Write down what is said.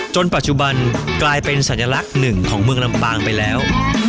ปัจจุบันกลายเป็นสัญลักษณ์หนึ่งของเมืองลำปางไปแล้ว